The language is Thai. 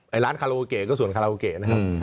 ร้านคาโลโอเกะก็ส่วนคาราโอเกะนะครับ